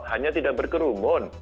hanya tidak berkerumun